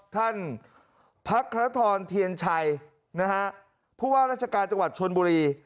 พักครทรเทียนชัยนะฮะผู้ว่าราชการจังหวัดชนบุรี